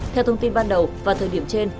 theo thông tin ban đầu và thời điểm trên